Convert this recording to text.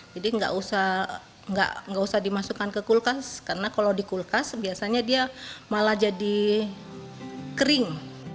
jadi nggak usah dimasukkan ke kulkas karena kalau di kulkas biasanya dia malah jadi kering